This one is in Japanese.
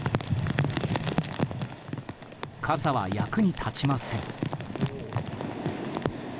傘は役に立ちません。